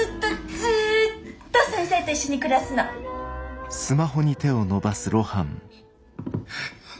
ズーッと先生と一緒に暮らすのッ。